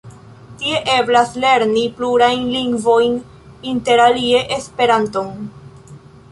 Tie eblas lerni plurajn lingvojn, interalie Esperanton.